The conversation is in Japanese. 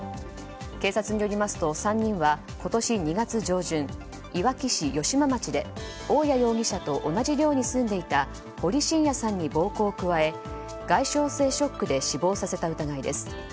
警察によりますと３人は今年２月上旬いわき市好間町で大屋容疑者と同じ町に住んでいた堀真也さんに暴行を加え外傷性ショックで死亡させた疑いです。